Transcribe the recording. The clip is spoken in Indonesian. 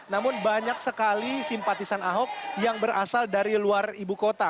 namun banyak sekali simpatisan ahok yang berasal dari luar ibu kota